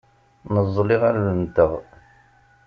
Neẓẓel iɣallen-nteɣ.